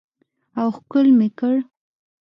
او ښکل مې کړ.